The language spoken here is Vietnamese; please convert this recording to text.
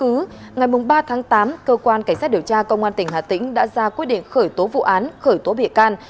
chứng cứ ngày ba tháng tám cơ quan cảnh sát điều tra công an tỉnh hà tĩnh đã ra quyết định khởi tố vụ án khởi tố bịa can